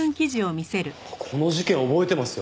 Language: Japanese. この事件覚えてますよ。